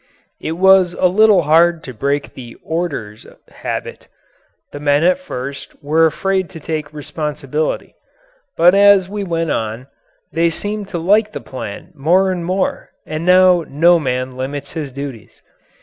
It was a little hard to break the "orders" habit; the men at first were afraid to take responsibility. But as we went on, they seemed to like the plan more and more and now no man limits his duties.